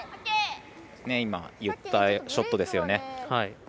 今、言ったショットですよね。